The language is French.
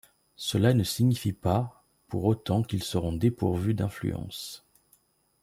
Cela ne signifie pas pour autant qu'ils seront dépourvus d'influence.